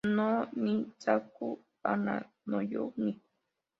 No ni saku hana no you ni